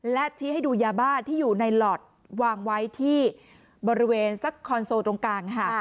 และชี้ให้ดูยาบ้าที่อยู่ในหลอดวางไว้ที่บริเวณสักคอนโซลตรงกลางค่ะ